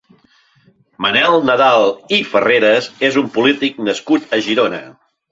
Manel Nadal i Farreras és un polític nascut a Girona.